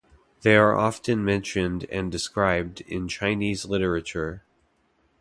They are often mentioned and described in Chinese literature.